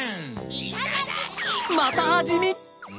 いただき。